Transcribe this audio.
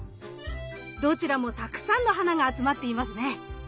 どちらもたくさんの花が集まっていますね。